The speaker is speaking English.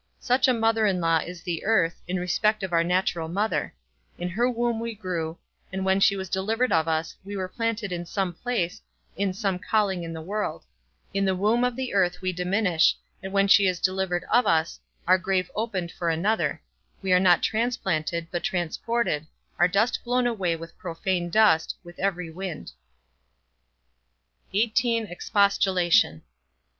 Such a mother in law is the earth, in respect of our natural mother; in her womb we grew, and when she was delivered of us, we were planted in some place, in some calling in the world; in the womb of the earth we diminish, and when she is delivered of us, our grave opened for another; we are not transplanted, but transported, our dust blown away with profane dust, with every wind. XVIII. EXPOSTULATION.